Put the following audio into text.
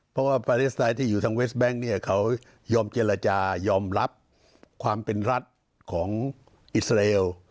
เพราะว่าปาเลสไตล์ที่อยู่ทางเวสแบงค์เนี่ยเขายอมเจรจายอมรับความเป็นรัฐของอิสราเอล